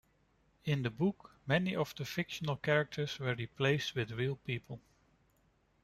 In the book, many of the fictional characters were replaced with real people.